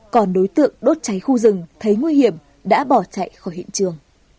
còn đối tượng đốt cháy khu rừng thấy nguy hiểm đã bỏ chạy khỏi hiện trường